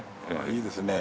いいですね